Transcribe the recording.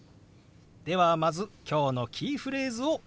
ではまず今日のキーフレーズを見てみましょう。